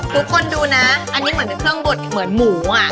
ทุกคนดูนะอันนี้เหมือนเป็นเครื่องบดเหมือนหมูอ่ะ